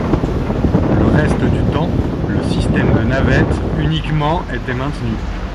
Le reste du temps, le système de navette uniquement était maintenu.